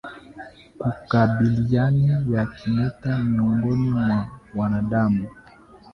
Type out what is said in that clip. Kukabiliana na kimeta miongoni mwa wanadamu